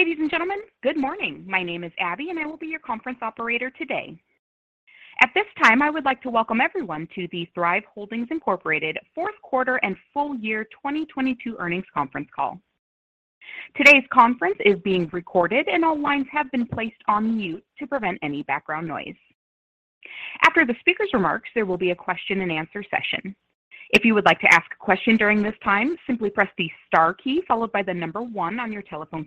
Ladies and gentlemen, good morning. My name is Abby. I will be your conference operator today. At this time, I would like to welcome everyone to the Thryv Holdings, Inc. Q4 and full year 2022 earnings conference call. Today's conference is being recorded. All lines have been placed on mute to prevent any background noise. After the speaker's remarks, there will be a question-and-answer session. If you would like to ask a question during this time, simply press the star key followed by the one on your telephone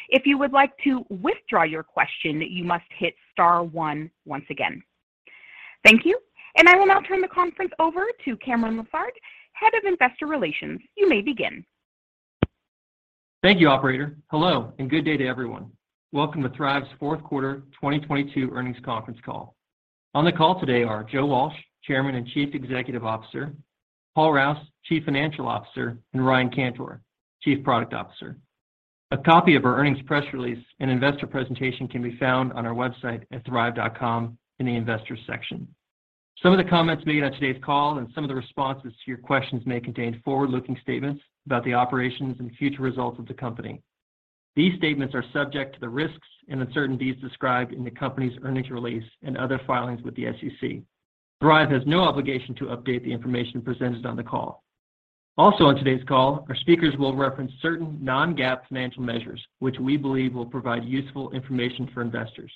keypad. If you would like to withdraw your question, you must hit star one once again. Thank you. I will now turn the conference over to Cameron Lessard, Head of Investor Relations. You may begin. Thank you, operator. Hello, and good day to everyone. Welcome to Thryv's Q4 2022 earnings conference call. On the call today are Joe Walsh, Chairman and Chief Executive Officer, Paul Rouse, Chief Financial Officer, and Ryan Cantor, Chief Product Officer. A copy of our earnings press release and investor presentation can be found on our website at thryv.com in the investors section. Some of the comments made on today's call and some of the responses to your questions may contain forward-looking statements about the operations and future results of the company. These statements are subject to the risks and uncertainties described in the company's earnings release and other filings with the SEC. Thryv has no obligation to update the information presented on the call. Also on today's call, our speakers will reference certain non-GAAP financial measures, which we believe will provide useful information for investors.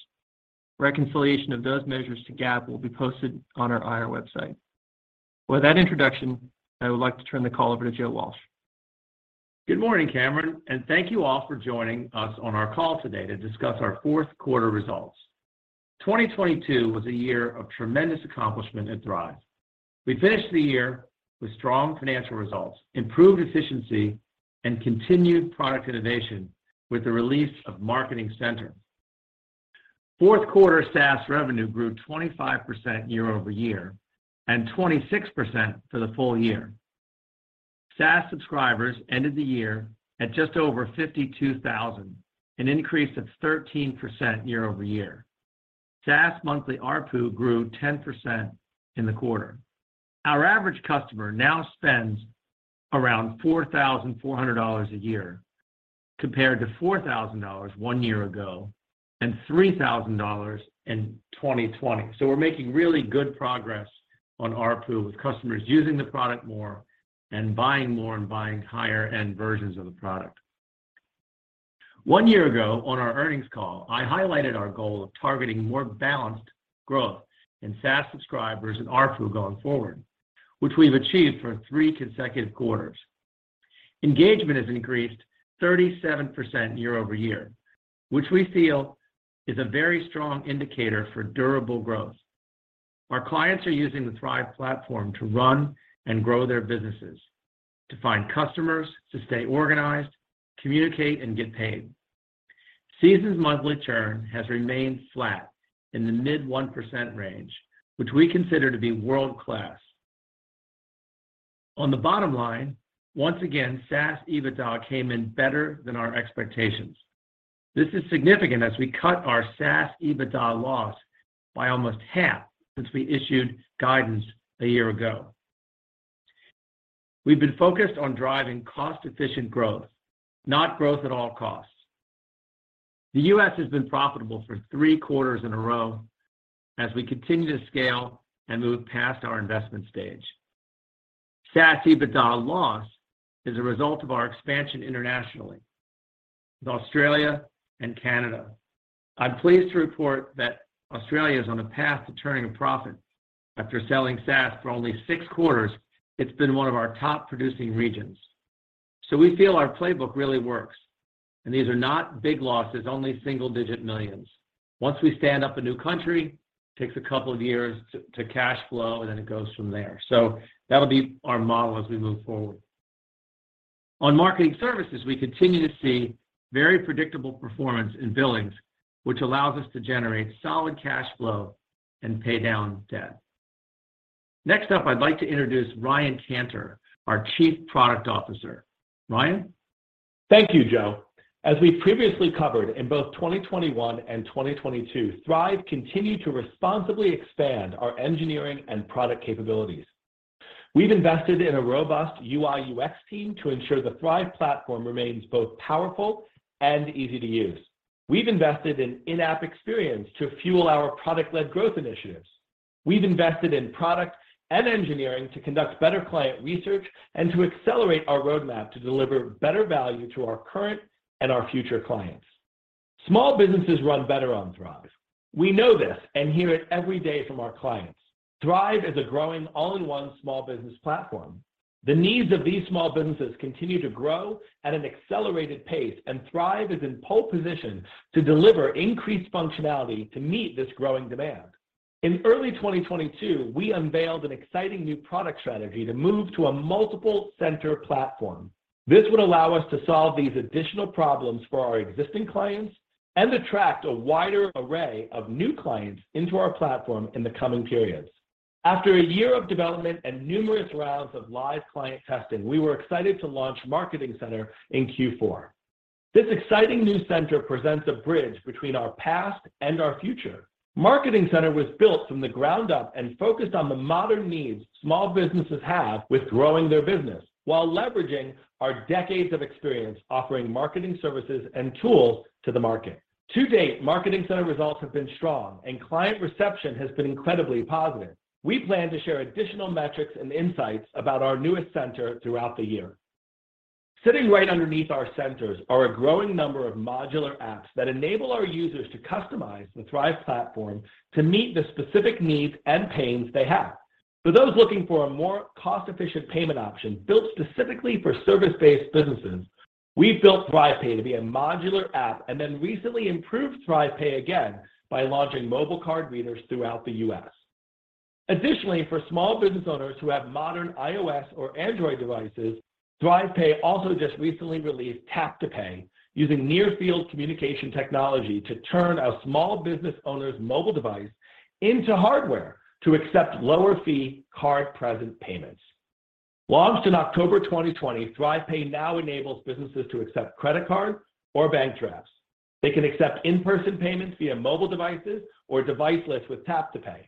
Reconciliation of those measures to GAAP will be posted on our IR website. With that introduction, I would like to turn the call over to Joe Walsh. Good morning, Cameron, thank you all for joining us on our call today to discuss our Q4 results. 2022 was a year of tremendous accomplishment at Thryv. We finished the year with strong financial results, improved efficiency, and continued product innovation with the release of Marketing Center. Q4 SaaS revenue grew 25% year-over-year, and 26% for the full year. SaaS subscribers ended the year at just over 52,000, an increase of 13% year-over-year. SaaS monthly ARPU grew 10% in the quarter. Our average customer now spends around $4,400 a year, compared to $4,000 one year ago and $3,000 in 2020. We're making really good progress on ARPU with customers using the product more and buying more and buying higher-end versions of the product. One year ago, on our earnings call, I highlighted our goal of targeting more balanced growth in SaaS subscribers and ARPU going forward, which we've achieved for three consecutive quarters. Engagement has increased 37% year-over-year, which we feel is a very strong indicator for durable growth. Our clients are using the Thryv platform to run and grow their businesses, to find customers, to stay organized, communicate, and get paid. Seasoned monthly churn has remained flat in the mid-1% range, which we consider to be world-class. On the bottom line, once again, SaaS EBITDA came in better than our expectations. This is significant as we cut our SaaS EBITDA loss by almost 1/2 since we issued guidance a year ago. We've been focused on driving cost-efficient growth, not growth at all costs. The U.S. has been profitable for three quarters in a row as we continue to scale and move past our investment stage. SaaS EBITDA loss is a result of our expansion internationally with Australia and Canada. I'm pleased to report that Australia is on a path to turning a profit. After selling SaaS for only six quarters, it's been one of our top-producing regions. We feel our playbook really works, and these are not big losses, only single-digit millions. Once we stand up a new country, it takes a couple of years to cash flow, and then it goes from there. That'll be our model as we move forward. On marketing services, we continue to see very predictable performance in billings, which allows us to generate solid cash flow and pay down debt. Next up, I'd like to introduce Ryan Cantor, our Chief Product Officer. Ryan. Thank you, Joe. As we previously covered in both 2021 and 2022, Thryv continued to responsibly expand our engineering and product capabilities. We've invested in a robust UI/UX team to ensure the Thryv platform remains both powerful and easy to use. We've invested in in-app experience to fuel our product-led growth initiatives. We've invested in product and engineering to conduct better client research and to accelerate our roadmap to deliver better value to our current and our future clients. Small businesses run better on Thryv. We know this and hear it every day from our clients. Thryv is a growing all-in-one small business platform. The needs of these small businesses continue to grow at an accelerated pace, and Thryv is in pole position to deliver increased functionality to meet this growing demand. In early 2022, we unveiled an exciting new product strategy to move to a multiple center platform. This would allow us to solve these additional problems for our existing clients and attract a wider array of new clients into our platform in the coming periods. After a year of development and numerous rounds of live client testing, we were excited to launch Marketing Center in Q4. This exciting new center presents a bridge between our past and our future. Marketing Center was built from the ground up and focused on the modern needs small businesses have with growing their business, while leveraging our decades of experience offering marketing services and tools to the market. To date, Marketing Center results have been strong and client reception has been incredibly positive. We plan to share additional metrics and insights about our newest center throughout the year. Sitting right underneath our centers are a growing number of modular apps that enable our users to customize the Thryv platform to meet the specific needs and pains they have. For those looking for a more cost-efficient payment option built specifically for service-based businesses, we built ThryvPay to be a modular app and then recently improved ThryvPay again by launching mobile card readers throughout the U.S.. Additionally, for small business owners who have modern iOS or Android devices, ThryvPay also just recently released tap-to-pay, using near-field communication technology to turn a small business owner's mobile device into hardware to accept lower-fee card-present payments. Launched in October 2020, ThryvPay now enables businesses to accept credit cards or bank drafts. They can accept in-person payments via mobile devices or device list with tap-to-pay.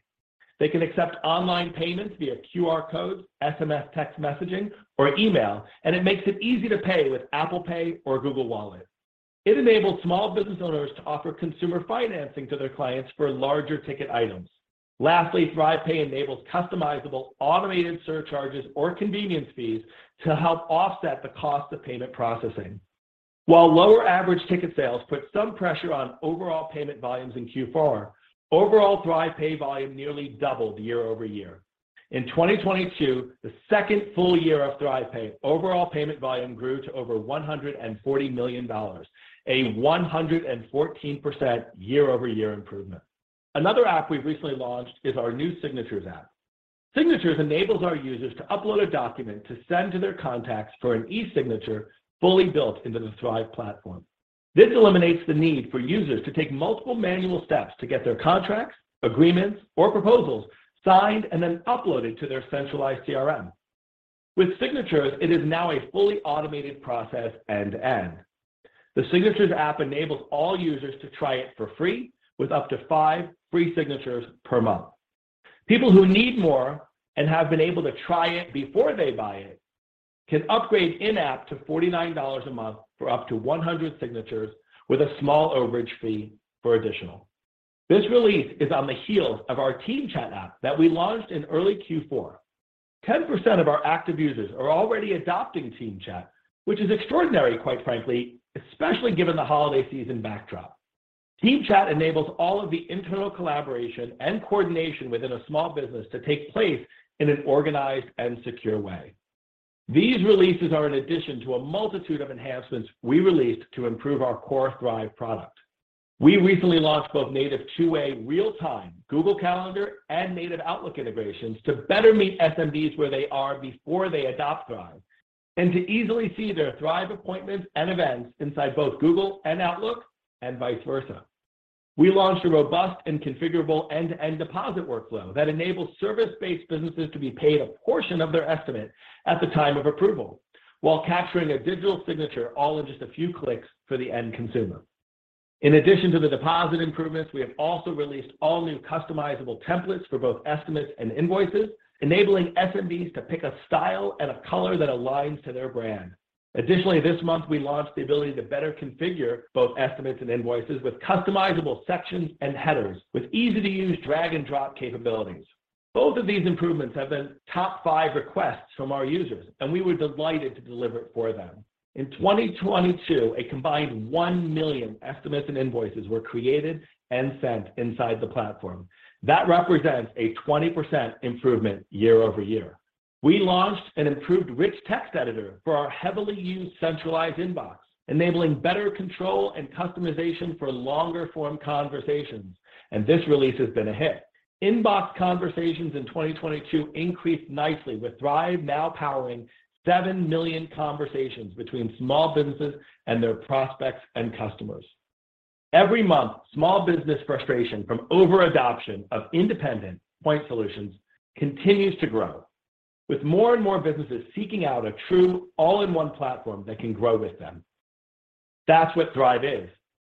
They can accept online payments via QR codes, SMS text messaging, or email. It makes it easy to pay with Apple Pay or Google Wallet. It enables small business owners to offer consumer financing to their clients for larger ticket items. Lastly, ThryvPay enables customizable automated surcharges or convenience fees to help offset the cost of payment processing. While lower average ticket sales put some pressure on overall payment volumes in Q4, overall ThryvPay volume nearly doubled year-over-year. In 2022, the second full year of ThryvPay, overall payment volume grew to over $140 million, a 114% year-over-year improvement. Another app we've recently launched is our new Signatures app. Signatures enables our users to upload a document to send to their contacts for an e-signature fully built into the Thryv platform. This eliminates the need for users to take multiple manual steps to get their contracts, agreements, or proposals signed and then uploaded to their centralized CRM. With Signatures, it is now a fully automated process end-to-end. The Signatures app enables all users to try it for free with up to free free signatures per month. People who need more and have been able to try it before they buy it can upgrade in-app to $49 a month for up to 100 signatures with a small overage fee for additional. This release is on the heels of our TeamChat app that we launched in early Q4. 10% of our active users are already adopting TeamChat, which is extraordinary, quite frankly, especially given the holiday season backdrop. TeamChat enables all of the internal collaboration and coordination within a small business to take place in an organized and secure way. These releases are in addition to a multitude of enhancements we released to improve our core Thryv product. We recently launched both native two-way real-time Google Calendar and native Outlook integrations to better meet SMBs where they are before they adopt Thryv, and to easily see their Thryv appointments and events inside both Google and Outlook, and vice versa. We launched a robust and configurable end-to-end deposit workflow that enables service-based businesses to be paid a portion of their estimate at the time of approval while capturing a digital signature all in just a few clicks for the end consumer. In addition to the deposit improvements, we have also released all new customizable templates for both estimates and invoices, enabling SMBs to pick a style and a color that aligns to their brand. Additionally, this month, we launched the ability to better configure both estimates and invoices with customizable sections and headers with easy-to-use drag and drop capabilities. Both of these improvements have been top five requests from our users, and we were delighted to deliver it for them. In 2022, a combined 1 million estimates and invoices were created and sent inside the platform. That represents a 20% improvement year-over-year. We launched an improved rich text editor for our heavily used centralized inbox, enabling better control and customization for longer form conversations, and this release has been a hit. Inbox conversations in 2022 increased nicely, with Thryv now powering 7 million conversations between small businesses and their prospects and customers. Every month, small business frustration from over-adoption of independent point solutions continues to grow. With more and more businesses seeking out a true all-in-one platform that can grow with them, that's what Thryv is.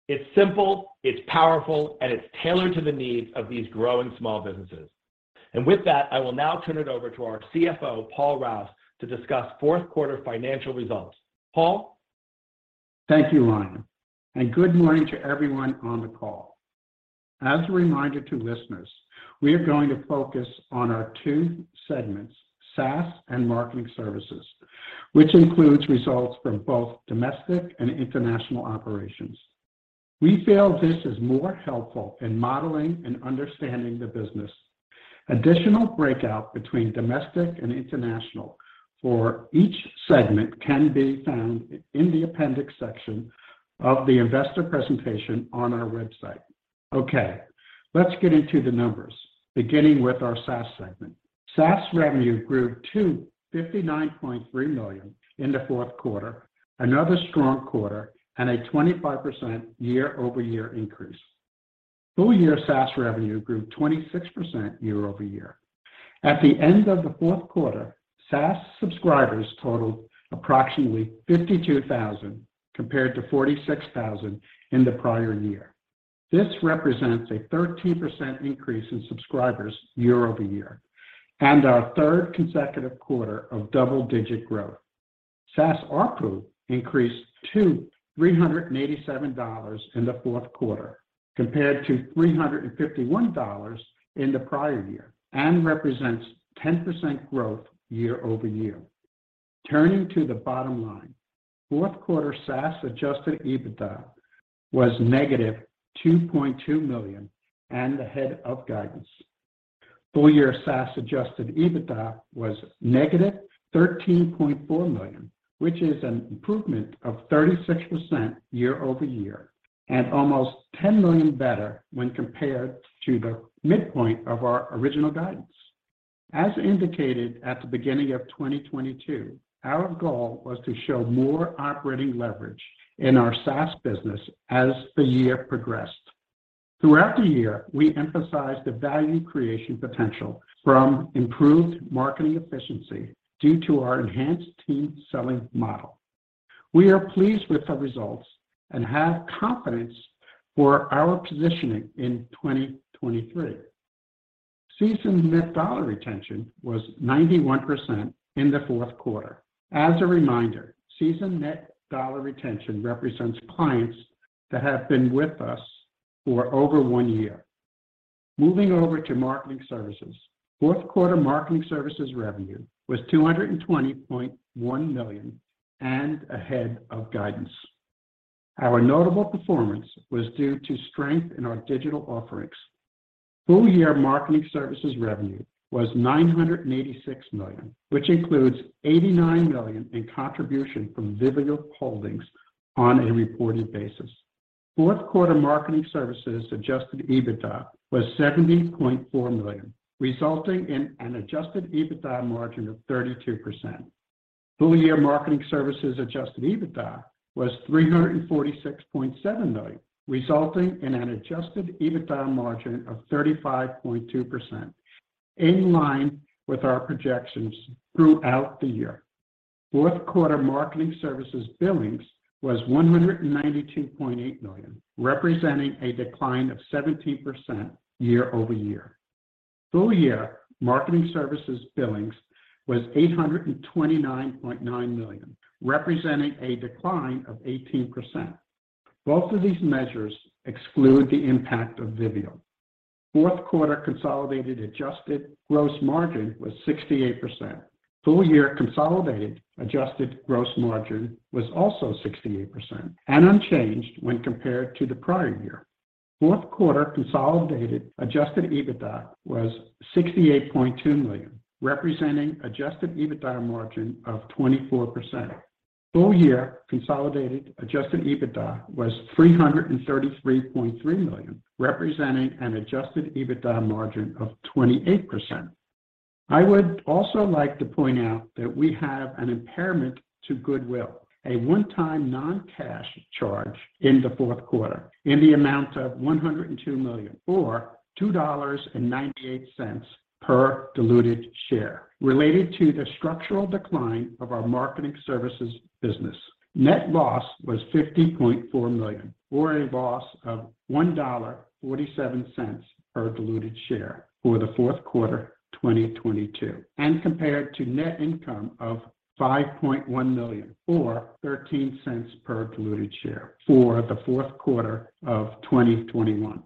It's simple, it's powerful, and it's tailored to the needs of these growing small businesses. With that, I will now turn it over to our CFO, Paul Rouse, to discuss Q4 financial results. Paul? Thank you, Ryan, and good morning to everyone on the call. As a reminder to listeners, we are going to focus on our two segments, SaaS and Marketing Services, which includes results from both domestic and international operations. We feel this is more helpful in modeling and understanding the business. Additional breakout between domestic and international for each segment can be found in the appendix section of the investor presentation on our website. Okay, let's get into the numbers, beginning with our SaaS segment. SaaS revenue grew to $59.3 million in the Q4, another strong quarter and a 25% year-over-year increase. Full year SaaS revenue grew 26% year-over-year. At the end of the Q4, SaaS subscribers totaled approximately 52,000 compared to 46,000 in the prior year. This represents a 13% increase in subscribers year-over-year and our third consecutive quarter of double-digit growth. SaaS ARPU increased to $387 in the Q4 compared to $351 in the prior year and represents 10% growth year-over-year. Turning to the bottom line, Q4 SaaS adjusted EBITDA was -$2.2 million and ahead of guidance. Full year SaaS adjusted EBITDA was -$13.4 million, which is an improvement of 36% year-over-year, and almost $10 million better when compared to the midpoint of our original guidance. As indicated at the beginning of 2022, our goal was to show more operating leverage in our SaaS business as the year progressed. Throughout the year, we emphasized the value creation potential from improved marketing efficiency due to our enhanced team selling model. We are pleased with the results and have confidence for our positioning in 2023. Seasoned net dollar retention was 91% in the Q4. As a reminder, Seasoned net dollar retention represents clients that have been with us for over one year. Moving over to marketing services. Q4 marketing services revenue was $220.1 million and ahead of guidance. Our notable performance was due to strength in our digital offerings. Full year marketing services revenue was $986 million, which includes $89 million in contribution from Vivial Holdings on a reported basis. Q4 marketing services adjusted EBITDA was $70.4 million, resulting in an adjusted EBITDA margin of 32%. Full year marketing services adjusted EBITDA was $346.7 million, resulting in an adjusted EBITDA margin of 35.2%, in line with our projections throughout the year. Q4 marketing services billings was $192.8 million, representing a decline of 17% year-over-year. Full year marketing services billings was $829.9 million, representing a decline of 18%. Both of these measures exclude the impact of Vivial. Q4 consolidated adjusted gross margin was 68%. Full year consolidated adjusted gross margin was also 68% and unchanged when compared to the prior year. Q4 consolidated adjusted EBITDA was $68.2 million, representing adjusted EBITDA margin of 24%. Full year consolidated adjusted EBITDA was $333.3 million, representing an adjusted EBITDA margin of 28%. I would also like to point out that we have an impairment to goodwill, a one-time non-cash charge in the Q4 in the amount of $102 million, or $2.98 per diluted share related to the structural decline of our marketing services business. Net loss was $50.4 million, or a loss of $1.47 per diluted share for the Q4 2022, and compared to net income of $5.1 million, or $0.13 per diluted share for the Q4 of 2021.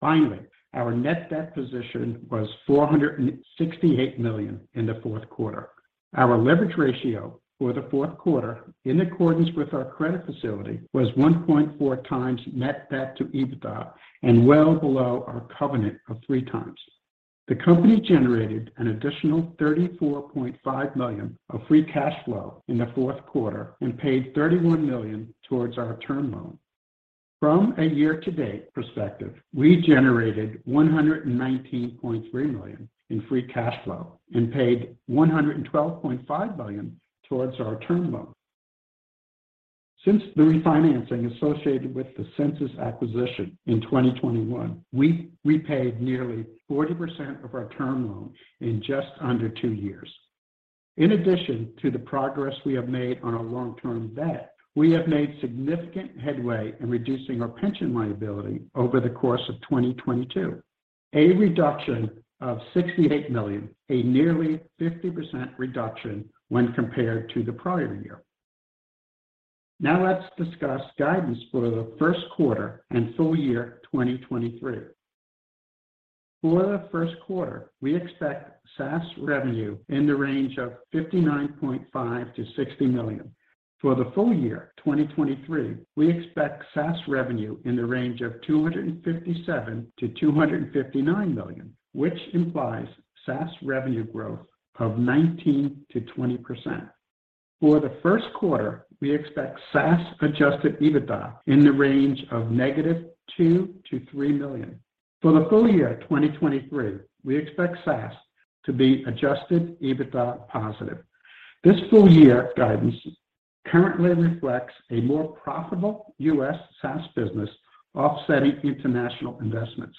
Finally, our net debt position was $468 million in the Q4. Our leverage ratio for the Q4, in accordance with our credit facility, was 1.4x net debt to EBITDA and well below our covenant of 3x. The company generated an additional $34.5 million of free cash flow in the Q4 and paid $31 million towards our term loan. From a year-to-date perspective, we generated $119.3 million in free cash flow and paid $112.5 million towards our term loan. Since the refinancing associated with the Sensis acquisition in 2021, we repaid nearly 40% of our term loan in just under two years. In addition to the progress we have made on our long-term debt, we have made significant headway in reducing our pension liability over the course of 2022. A reduction of $68 million, a nearly 50% reduction when compared to the prior year. Let's discuss guidance for the fQ1 and full year 2023. For the Q1, we expect SaaS revenue in the range of $59.5 million-$60 million. For the full year 2023, we expect SaaS revenue in the range of $257 million-$259 million, which implies SaaS revenue growth of 19%-20%. For the Q1, we expect SaaS adjusted EBITDA in the range of -$2 million to $3 million. For the full year 2023, we expect SaaS to be adjusted EBITDA positive. This full year guidance currently reflects a more profitable U.S. SaaS business offsetting international investments.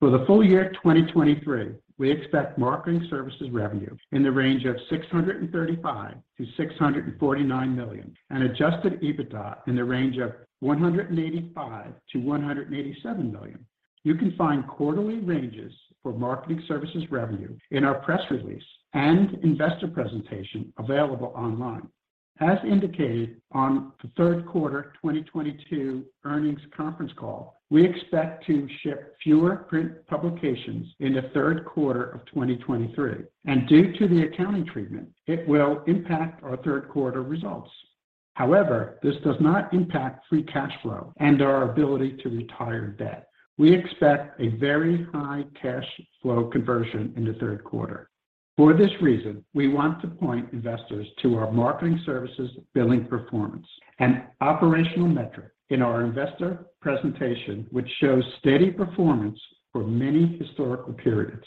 For the full year 2023, we expect marketing services revenue in the range of $635 million-$649 million, and adjusted EBITDA in the range of $185 million-$187 million. You can find quarterly ranges for marketing services revenue in our press release and investor presentation available online. As indicated on the Q3 2022 earnings conference call, we expect to ship fewer print publications in the Q3 of 2023, and due to the accounting treatment, it will impact our Q3 results. However, this does not impact free cash flow and our ability to retire debt. We expect a very high cash flow conversion in the Q3. For this reason, we want to point investors to our marketing services billing performance and operational metric in our investor presentation, which shows steady performance for many historical periods.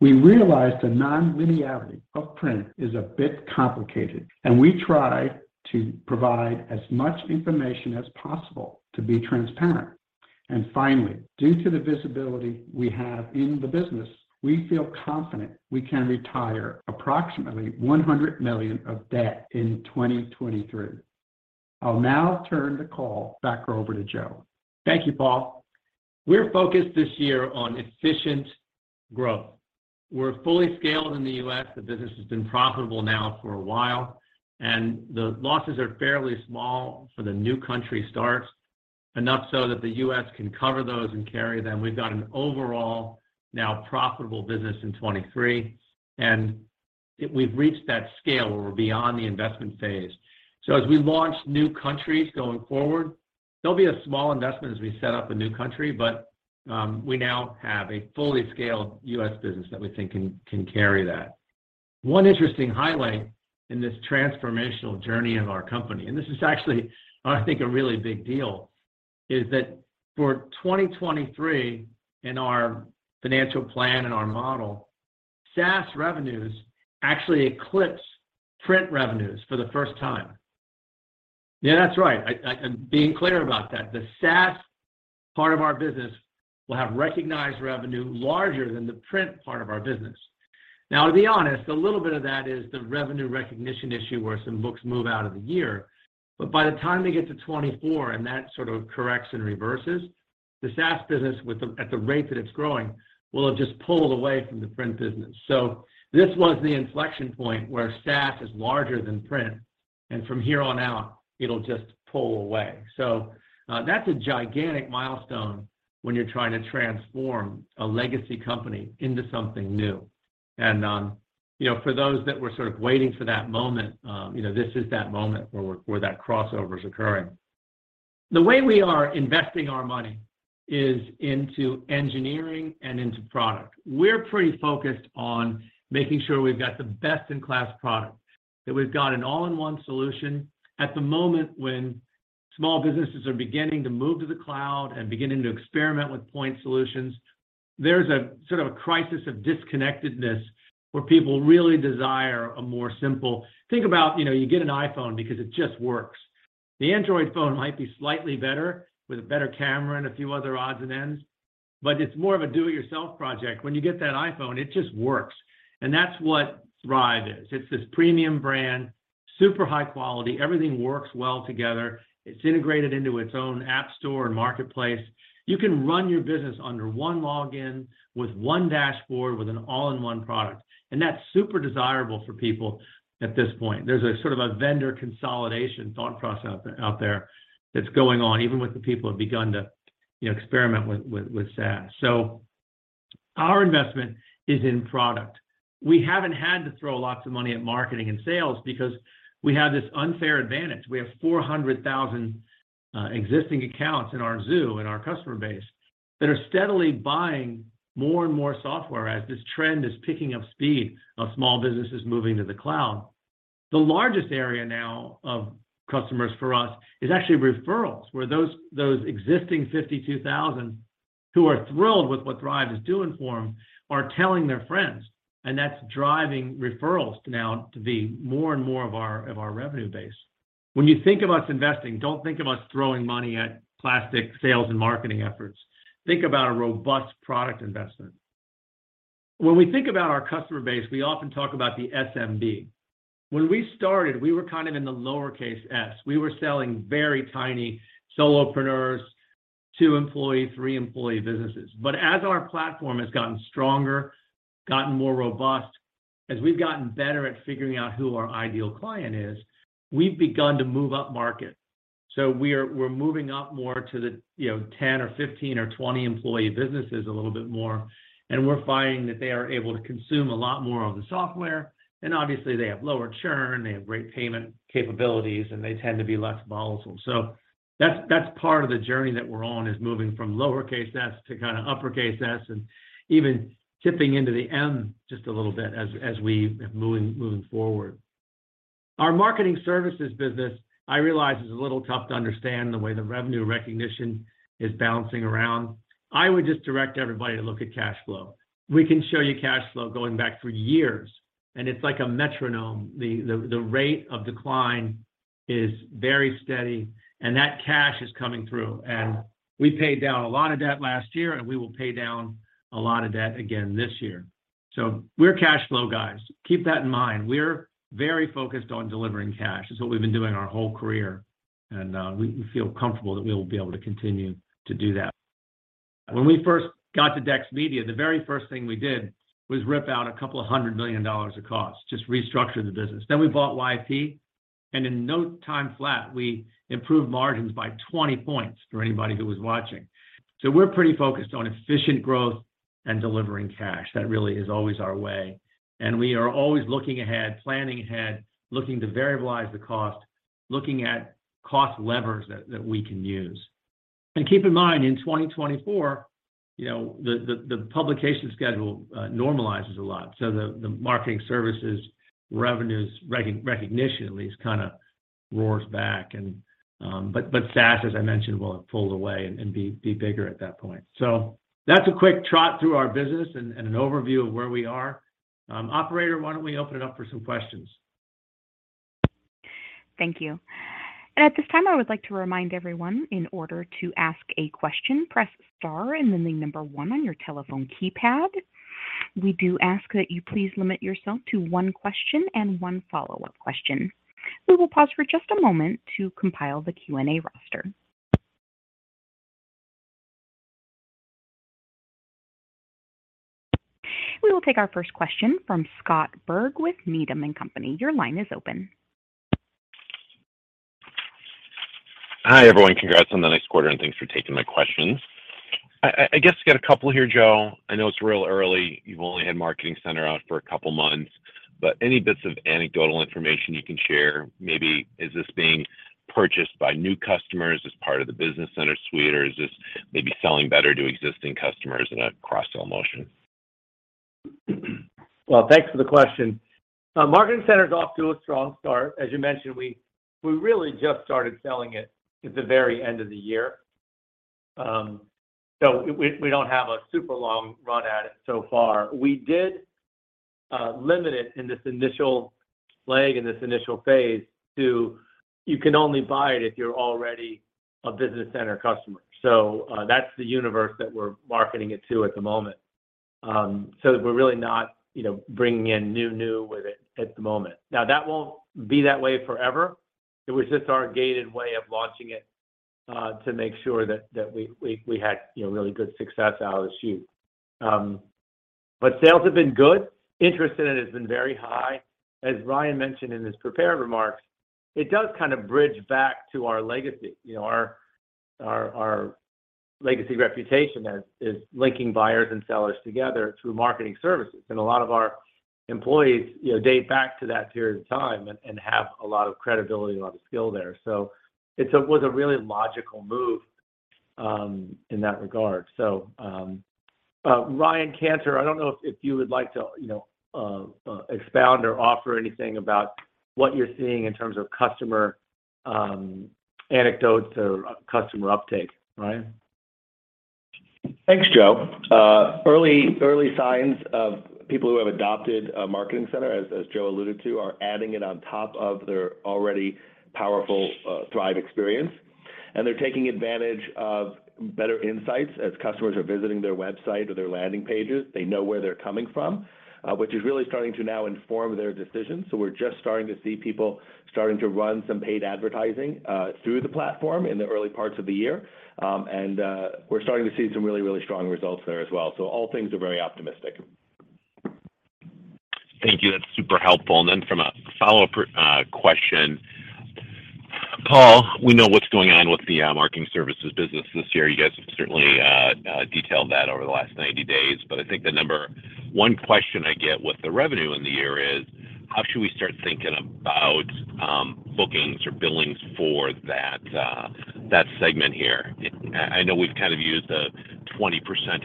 We realize the non-linearity of print is a bit complicated, and we try to provide as much information as possible to be transparent. Finally, due to the visibility we have in the business, we feel confident we can retire approximately $100 million of debt in 2023. I'll now turn the call back over to Joe. Thank you, Paul. We're focused this year on efficient growth. We're fully scaled in the U.S. The business has been profitable now for a while, and the losses are fairly small for the new country starts, enough so that the U.S. can cover those and carry them. We've got an overall now profitable business in 2023, and we've reached that scale where we're beyond the investment phase. As we launch new countries going forward, there'll be a small investment as we set up a new country, but we now have a fully scaled U.S. business that we think can carry that. One interesting highlight in this transformational journey of our company, and this is actually, I think, a really big deal, is that for 2023 in our financial plan and our model, SaaS revenues actually eclipse print revenues for the first time. Yeah, that's right. I'm being clear about that. The SaaS part of our business will have recognized revenue larger than the print part of our business. Now, to be honest, a little bit of that is the revenue recognition issue where some books move out of the year. By the time they get to 2024, and that sort of corrects and reverses, the SaaS business at the rate that it's growing, will have just pulled away from the print business. This was the inflection point where SaaS is larger than print, and from here on out, it'll just pull away. That's a gigantic milestone when you're trying to transform a legacy company into something new. You know, for those that were sort of waiting for that moment, you know, this is that moment where that crossover is occurring. The way we are investing our money is into engineering and into product. We're pretty focused on making sure we've got the best-in-class product, that we've got an all-in-one solution. At the moment when small businesses are beginning to move to the cloud and beginning to experiment with point solutions, there's a sort of a crisis of disconnectedness where people really desire a more simple... Think about, you know, you get an iPhone because it just works. The Android phone might be slightly better with a better camera and a few other odds and ends, but it's more of a do-it-yourself project. When you get that iPhone, it just works, and that's what Thryv is. It's this premium brand, super high quality. Everything works well together. It's integrated into its own app store and marketplace. You can run your business under one login with one dashboard, with an all-in-one product, that's super desirable for people at this point. There's a sort of a vendor consolidation thought process out there that's going on, even with the people who have begun to, you know, experiment with SaaS. Our investment is in product. We haven't had to throw lots of money at marketing and sales because we have this unfair advantage. We have 400,000 existing accounts in our zoo, in our customer base, that are steadily buying more and more software as this trend is picking up speed of small businesses moving to the cloud. The largest area now of customers for us is actually referrals, where those existing 52,000 who are thrilled with what Thryv is doing for them are telling their friends. That's driving referrals to now to be more and more of our, of our revenue base. When you think about investing, don't think about throwing money at classic sales and marketing efforts. Think about a robust product investment. When we think about our customer base, we often talk about the SMB. When we started, we were kind of in the lowercase s. We were selling very tiny solopreneurs, two-employee, three-employee businesses. As our platform has gotten stronger, gotten more robust, as we've gotten better at figuring out who our ideal client is, we've begun to move up market. We're moving up more to the, you know, 10-employee or 15- employee or 20-employee businesses a little bit more, and we're finding that they are able to consume a lot more of the software, and obviously, they have lower churn, they have great payment capabilities, and they tend to be less volatile. That's part of the journey that we're on, is moving from lowercase s to kind of uppercase S and even tipping into the M just a little bit as we moving forward. Our marketing services business, I realize, is a little tough to understand the way the revenue recognition is bouncing around. I would just direct everybody to look at cash flow. We can show you cash flow going back for years, and it's like a metronome. The rate of decline is very steady, and that cash is coming through. We paid down a lot of debt last year, and we will pay down a lot of debt again this year. We're cash flow guys. Keep that in mind. We're very focused on delivering cash. It's what we've been doing our whole career, and we feel comfortable that we will be able to continue to do that. When we first got to Dex Media, the very first thing we did was rip out a couple of hundred million dollars of cost, just restructured the business. We bought YP, and in no time flat, we improved margins by 20 points for anybody who was watching. We're pretty focused on efficient growth and delivering cash. That really is always our way, and we are always looking ahead, planning ahead, looking to variabilize the cost, looking at cost levers that we can use. Keep in mind, in 2024, you know, the publication schedule normalizes a lot. The marketing services revenues recognition at least kinda roars back. SaaS, as I mentioned, will have pulled away and be bigger at that point. That's a quick trot through our business and an overview of where we are. Operator, why don't we open it up for some questions? Thank you. At this time, I would like to remind everyone in order to ask a question, press star and then the number one on your telephone keypad. We do ask that you please limit yourself to one question and one follow-up question. We will pause for just a moment to compile the Q&A roster. We will take our first question from Scott Berg with Needham & Company. Your line is open. Hi, everyone. Congrats on the next quarter. Thanks for taking my questions. I guess I got a couple here, Joe. I know it's real early. You've only had Marketing Center out for a couple months, but any bits of anecdotal information you can share? Maybe is this being purchased by new customers as part of the Business Center suite, or is this maybe selling better to existing customers in a cross-sell motion? Well, thanks for the question. Marketing Center's off to a strong start. As you mentioned, we really just started selling it at the very end of the year. We don't have a super long run at it so far. We did limit it in this initial leg, in this initial phase to you can only buy it if you're already a Business Center customer. That's the universe that we're marketing it to at the moment. We're really not, you know, bringing in new with it at the moment. Now, that won't be that way forever. It was just our gated way of launching it to make sure that we had, you know, really good success out of the chute. Sales have been good. Interest in it has been very high. As Ryan mentioned in his prepared remarks, it does kind of bridge back to our legacy. You know, our legacy reputation is linking buyers and sellers together through marketing services. A lot of our employees, you know, date back to that period of time and have a lot of credibility, a lot of skill there. It was a really logical move in that regard. Ryan Cantor, I don't know if you would like to, you know, expound or offer anything about what you're seeing in terms of customer anecdote or customer uptake. Ryan? Thanks, Joe. Early, early signs of people who have adopted Marketing Center, as Joe alluded to, are adding it on top of their already powerful Thryv experience, and they're taking advantage of better insights. As customers are visiting their website or their landing pages, they know where they're coming from, which is really starting to now inform their decisions. We're just starting to see people starting to run some paid advertising through the platform in the early parts of the year. We're starting to see some really, really strong results there as well. All things are very optimistic. Thank you. That's super helpful. From a follow-up question. Paul, we know what's going on with the marketing services business this year. You guys have certainly detailed that over the last 90 days. I think the number one question I get with the revenue in the year is: How should we start thinking about bookings or billings for that segment here? I know we've kind of used a 20%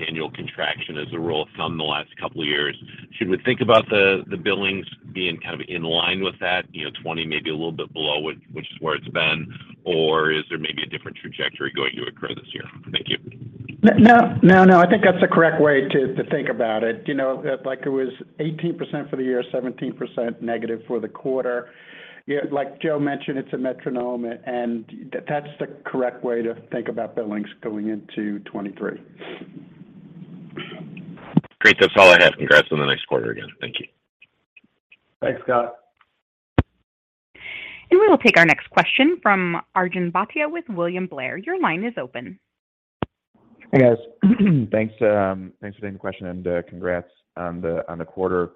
annual contraction as a rule of thumb the last couple years. Should we think about the billings being kind of in line with that, you know, 20, maybe a little bit below, which is where it's been, or is there maybe a different trajectory going to occur this year? Thank you. No, no, I think that's the correct way to think about it. You know, like it was 18% for the year, -17% for the quarter. Yeah, like Joe mentioned, it's a metronome and that's the correct way to think about billings going into 2023. Great. That's all I had. Congrats on the next quarter again. Thank you. Thanks, Scott. We will take our next question from Arjun Bhatia with William Blair. Your line is open. Hey, guys. Thanks. Thanks for taking the question. Congrats on the quarter.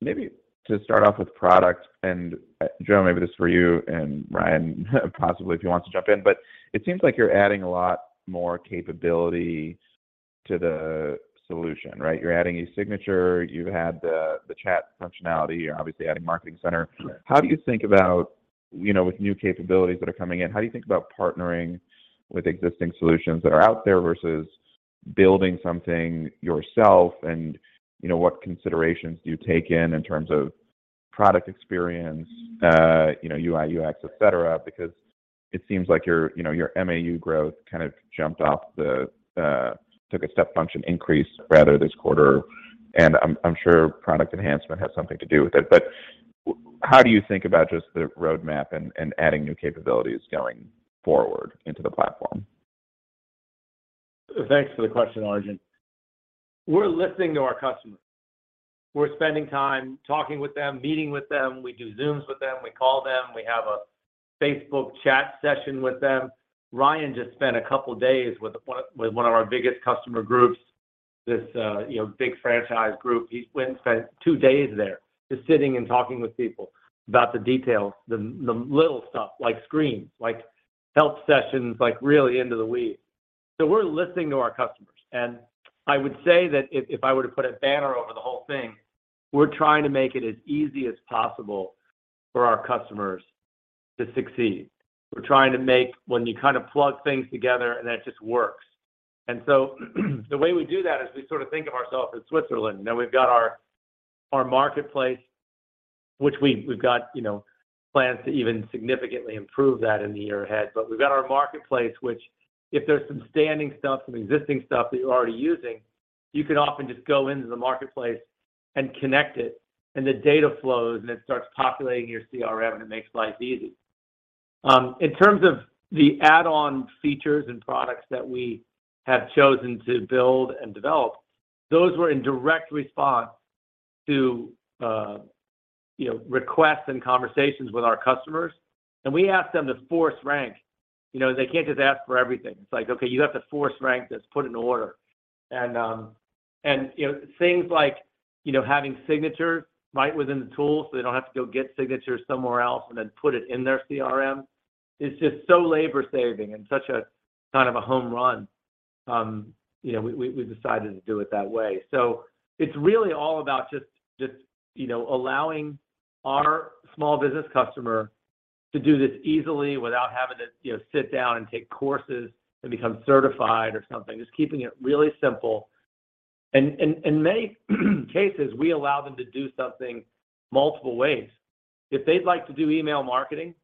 Maybe to start off with product, Joe, maybe this is for you, and Ryan possibly if he wants to jump in, it seems like you're adding a lot more capability to the solution, right? You're adding eSignature. You had the chat functionality. You're obviously adding Marketing Center. How do you think about, you know, with new capabilities that are coming in, how do you think about partnering with existing solutions that are out there versus building something yourself? You know, what considerations do you take in terms of product experience, you know, UI, UX, et cetera, because it seems like your, you know, your MAU growth kind of jumped off the, took a step function increase rather this quarter, and I'm sure product enhancement has something to do with it. But how do you think about just the roadmap and adding new capabilities going forward into the platform? Thanks for the question, Arjun. We're listening to our customers. We're spending time talking with them, meeting with them. We do Zooms with them. We call them. We have a Facebook chat session with them. Ryan just spent a couple days with one of our biggest customer groups, this, you know, big franchise group. He went and spent two days there just sitting and talking with people about the details, the little stuff like screens, like help sessions, like really into the weeds. We're listening to our customers, and I would say that if I were to put a banner over the whole thing, we're trying to make it as easy as possible for our customers to succeed. We're trying to make when you kind of plug things together, and it just works. The way we do that is we sort of think of ourselves as Switzerland. We've got our marketplace, which we've got, you know, plans to even significantly improve that in the year ahead. We've got our marketplace, which if there's some standing stuff, some existing stuff that you're already using, you can often just go into the marketplace and connect it, and the data flows, and it starts populating your CRM, and it makes life easy. In terms of the add-on features and products that we have chosen to build and develop, those were in direct response to, you know, requests and conversations with our customers, and we asked them to force rank. You know, they can't just ask for everything. It's like, okay, you have to force rank this. Put it in order. You know, things like, you know, having Signatures right within the tool, so they don't have to go get signatures somewhere else and then put it in their CRM is just so labor-saving and such a kind of a home run. You know, we decided to do it that way. It's really all about just, you know, allowing our small business customer to do this easily without having to, you know, sit down and take courses to become certified or something. Just keeping it really simple. In many cases, we allow them to do something multiple ways. If they'd like to do email marketing,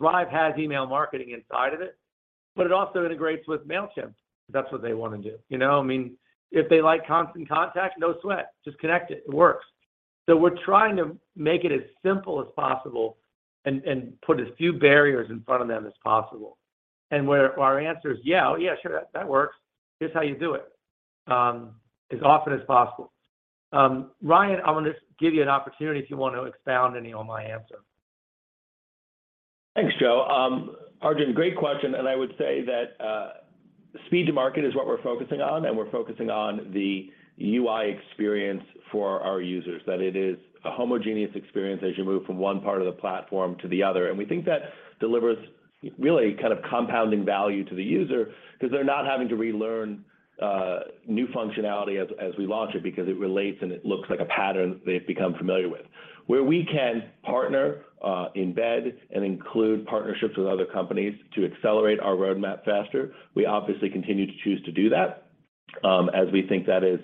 Thryv has email marketing inside of it, but it also integrates with Mailchimp if that's what they wanna do. You know? I mean, if they like Constant Contact, no sweat, just connect it. It works. We're trying to make it as simple as possible and put as few barriers in front of them as possible. Where our answer is, "Yeah, sure. That works. Here's how you do it," as often as possible. Ryan, I wanna just give you an opportunity if you want to expound any on my answer. Thanks, Joe. Arjun, great question, I would say that speed to market is what we're focusing on, and we're focusing on the UI experience for our users, that it is a homogeneous experience as you move from one part of the platform to the other. We think that delivers really kind of compounding value to the user because they're not having to relearn new functionality as we launch it because it relates, and it looks like a pattern they've become familiar with. Where we can partner, embed, and include partnerships with other companies to accelerate our roadmap faster, we obviously continue to choose to do that, as we think that is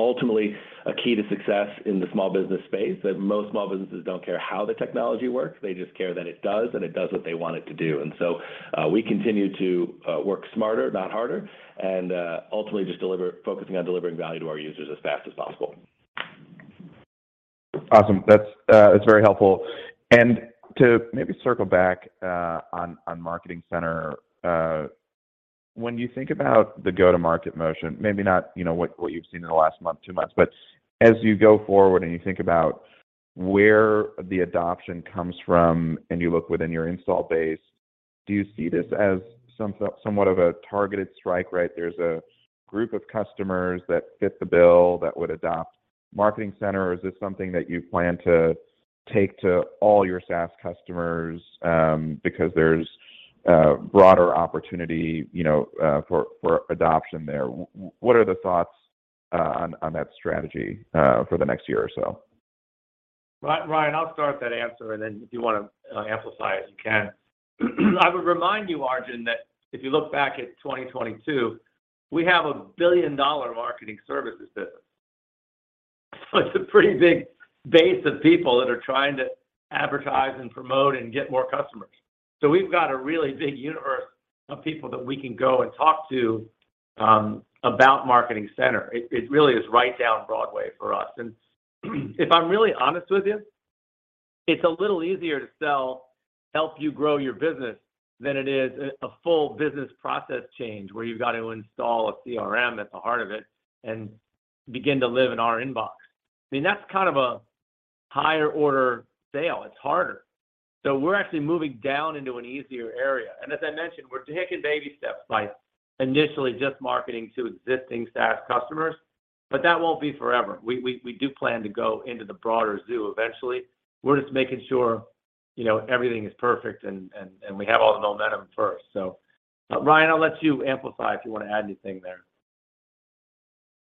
ultimately a key to success in the small business space, that most small businesses don't care how the technology works. They just care that it does, and it does what they want it to do. We continue to, work smarter, not harder, and, ultimately just deliver, focusing on delivering value to our users as fast as possible. Awesome. That's, it's very helpful. To maybe circle back on Marketing Center, when you think about the go-to-market motion, maybe not, you know, what you've seen in the last month, two months, but as you go forward and you think about where the adoption comes from, and you look within your install base, do you see this as somewhat of a targeted strike, right? There's a group of customers that fit the bill that would adopt Marketing Center, or is this something that you plan to take to all your SaaS customers, because there's a broader opportunity, you know, for adoption there? What are the thoughts on that strategy for the next year or so? Ryan, I'll start that answer, and then if you wanna amplify it, you can. I would remind you, Arjun, that if you look back at 2022, we have a billion-dollar marketing services business. It's a pretty big base of people that are trying to advertise and promote and get more customers. We've got a really big universe of people that we can go and talk to about Marketing Center. It really is right down Broadway for us. If I'm really honest with you, it's a little easier to sell, help you grow your business than it is a full business process change, where you've got to install a CRM at the heart of it and begin to live in our inbox. I mean, that's kind of a higher order sale. It's harder. We're actually moving down into an easier area, and as I mentioned, we're taking baby steps by initially just marketing to existing SaaS customers. That won't be forever. We do plan to go into the broader zoo eventually. We're just making sure, you know, everything is perfect and we have all the momentum first. Ryan, I'll let you amplify if you wanna add anything there.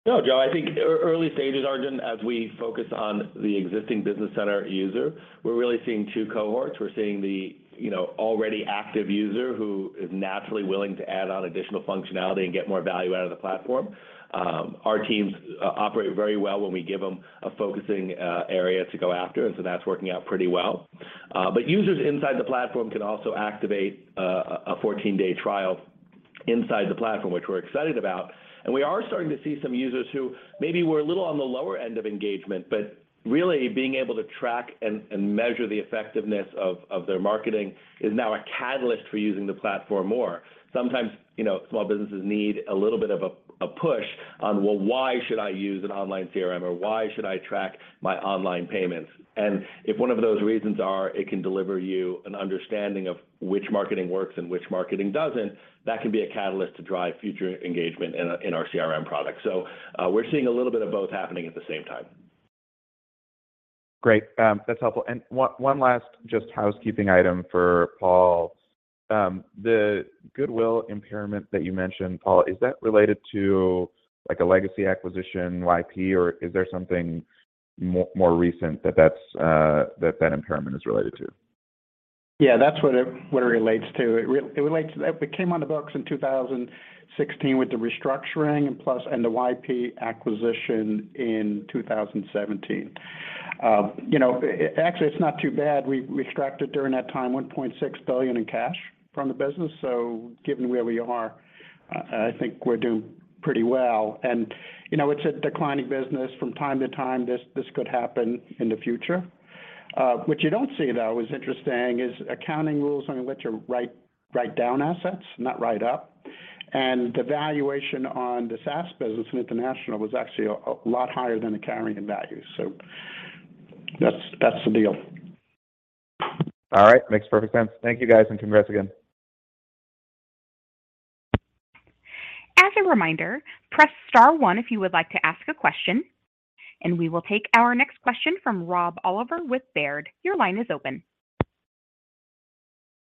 No, Joe, I think early stages are done as we focus on the existing Business Center user. We're really seeing two cohorts. We're seeing the, you know, already active user who is naturally willing to add on additional functionality and get more value out of the platform. Our teams operate very well when we give them a focusing area to go after. That's working out pretty well. Users inside the platform can also activate a 14-day trial inside the platform, which we're excited about. We are starting to see some users who maybe were a little on the lower end of engagement, but really being able to track and measure the effectiveness of their marketing is now a catalyst for using the platform more. Sometimes, you know, small businesses need a little bit of a push on, "Well, why should I use an online CRM," or, "Why should I track my online payments?" If one of those reasons are it can deliver you an understanding of which marketing works and which marketing doesn't, that can be a catalyst to drive future engagement in our CRM product. We're seeing a little bit of both happening at the same time. Great. That's helpful. One last just housekeeping item for Paul. The goodwill impairment that you mentioned, Paul, is that related to like a legacy acquisition, YP, or is there something more recent that that's, that that impairment is related to? Yeah, that's what it, what it relates to. It relates. It came on the books in 2016 with the restructuring and the YP acquisition in 2017. You know, actually it's not too bad. We extracted during that time $1.6 billion in cash from the business. Given where we are, I think we're doing pretty well. You know, it's a declining business from time to time. This could happen in the future. What you don't see though, is interesting, is accounting rules only let you write down assets, not write up. The valuation on the SaaS business and international was actually a lot higher than the carrying value. That's the deal. All right. Makes perfect sense. Thank you, guys, and congrats again. As a reminder, press star one if you would like to ask a question. We will take our next question from Rob Oliver with Baird. Your line is open.